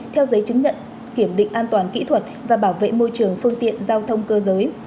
theo giấy chứng nhận kiểm định an toàn kỹ thuật và bảo vệ môi trường phương tiện giao thông cơ giới